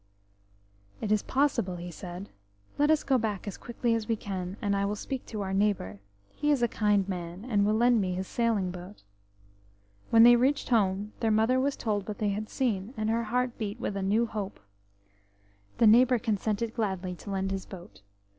"It is possible," he said. "Let us go back as quickly as we can, and I will speak to our neighbour. He is a kind man, and will lend me his sailing boat." When they reached home their mother was told what they had seen, and her heart beat with a new hope. The neighbour consented gladly to lend his boat.